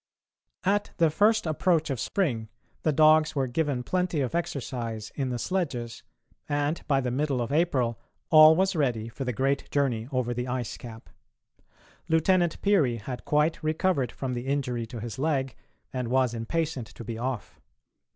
At the first approach of spring the dogs were given plenty of exercise in the sledges, and by the middle of April all was ready for the great journey over the ice cap. Lieutenant Peary had quite recovered from the injury to his leg, and was impatient to be off.